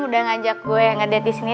udah ngajak gue ngedit disini